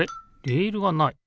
レールがない。